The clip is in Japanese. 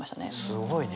すごいね。